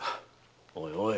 おいおい。